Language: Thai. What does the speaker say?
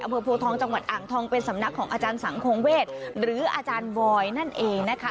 โพทองจังหวัดอ่างทองเป็นสำนักของอาจารย์สังคมเวทหรืออาจารย์บอยนั่นเองนะคะ